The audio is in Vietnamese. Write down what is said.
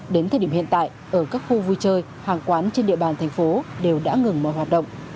đến thời điểm hiện tại ở các khu vui chơi hàng quán trên địa bàn thành phố đều đã ngừng mọi hoạt động